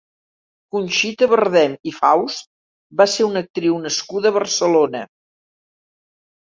Conxita Bardem i Faust va ser una actriu nascuda a Barcelona.